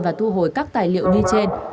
và thu hồi các tài liệu như trên